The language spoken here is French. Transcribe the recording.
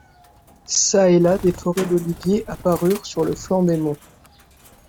Çà et là, des forêts d’oliviers apparurent sur le flanc des monts